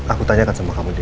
aku tanyakan sama kamu juga